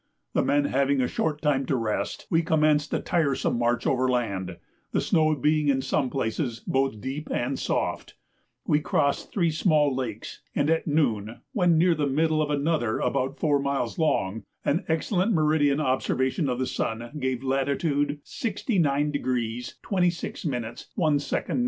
The men having had a short time to rest, we commenced a tiresome march over land, the snow being in some places both deep and soft. We crossed three small lakes, and at noon, when near the middle of another about four miles long, an excellent meridian observation of the sun gave latitude 69° 26' 1" N.